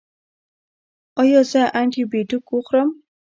ایا زه انټي بیوټیک وخورم؟